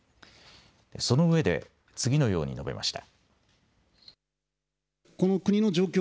そのうえで次のように述べました。